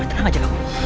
tenang aja kamu